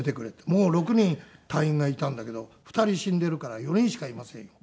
６人隊員がいたんだけど２人死んでいるから４人しかいませんよ。